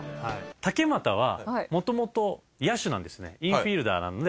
タケマタは元々野手なんですねインフィールダーなので。